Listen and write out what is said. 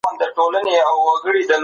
روښانه فکر ډار نه جوړوي.